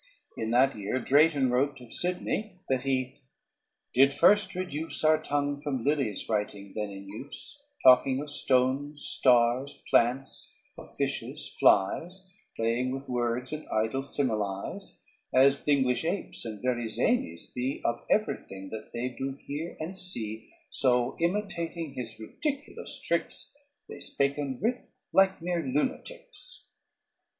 In that year Drayton wrote of Sidney that he did first reduce Our tongue from Lillies writing then in use: Talking of Stones, Stars, Plants, of Fishes, Flyes, Playing with words and idle Similies As th' English Apes and very Zanies be Of everything that they doe heare and see, So imitating his ridiculous tricks, They spake and writ like meere lunatiques.